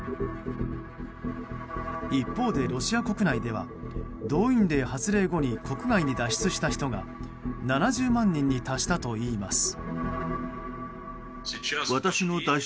一方でロシア国内では動員令発令後に国外に脱出した人が７０万人に達したといいます。